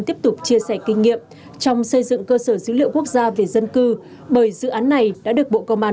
tiếp tục chia sẻ kinh nghiệm trong xây dựng cơ sở dữ liệu quốc gia về dân cư bởi dự án này đã được bộ công an